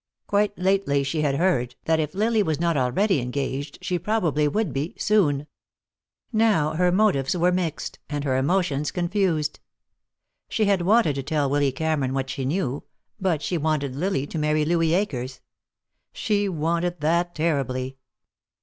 Quite lately she had heard that if Lily was not already engaged she probably would be, soon. Now her motives were mixed, and her emotions confused. She had wanted to tell Willy Cameron what she knew, but she wanted Lily to marry Louis Akers. She wanted that terribly.